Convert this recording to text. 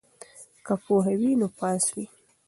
که پوهه وي نو پاس وي.